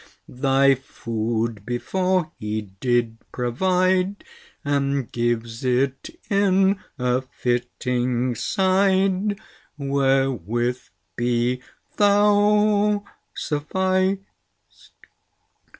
Thy food before He did provide, And gives it in a fitting side, ¬Ý¬Ý¬Ý¬ÝWherewith be thou sufficed!